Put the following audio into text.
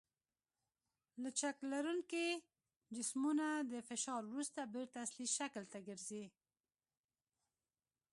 لچک لرونکي جسمونه د فشار وروسته بېرته اصلي شکل ته ګرځي.